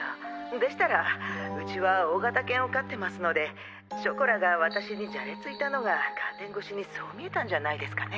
でしたらうちは大型犬を飼ってますのでショコラが私にじゃれついたのがカーテン越しにそう見えたんじゃないですかね？